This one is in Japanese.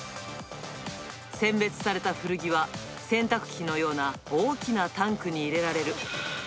選別された古着は、洗濯機のような大きなタンクに入れられる。